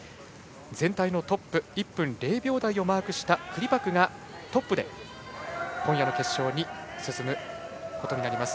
全体のトップ１分０秒台をマークしたクリパクトップで今夜の決勝に進みます。